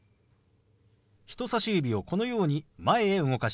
人さし指をこのように前へ動かします。